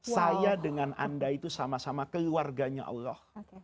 saya dengan anda itu sama sama keluarganya allah